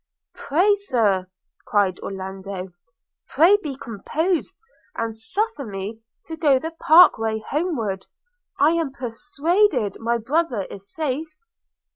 'Pray, Sir,' cried Orlando, 'pray be composed, and suffer me to go the park way homeward – I am persuaded my brother is safe.'